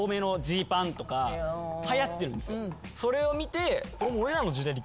それを見て。